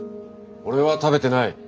俺は食べてない。